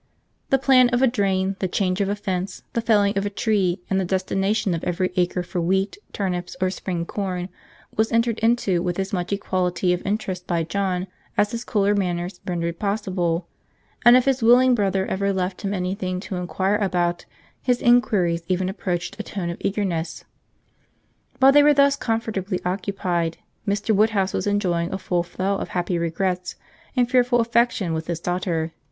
The plan of a drain, the change of a fence, the felling of a tree, and the destination of every acre for wheat, turnips, or spring corn, was entered into with as much equality of interest by John, as his cooler manners rendered possible; and if his willing brother ever left him any thing to inquire about, his inquiries even approached a tone of eagerness. While they were thus comfortably occupied, Mr. Woodhouse was enjoying a full flow of happy regrets and fearful affection with his daughter.